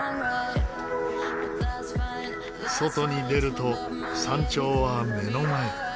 外に出ると山頂は目の前。